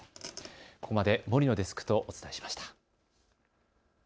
ここまで森野デスクとお伝えしました。